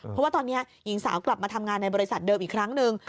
เพราะว่าตอนนี้หญิงสาวกลับมาทำงานในบริษัทเดิมอีกครั้งหนึ่ง